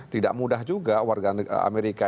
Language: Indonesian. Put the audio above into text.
tidak mudah juga warga amerika